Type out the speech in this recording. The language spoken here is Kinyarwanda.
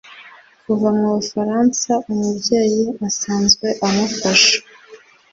Kuva mu Bufaransa Umubyeyi usanzwe amufasha